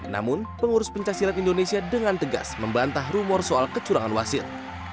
namun pengurus pencaksilat indonesia dengan tegas membantah rumor soal kecurangan wasit